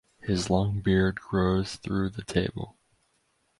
His long beard grows through the table.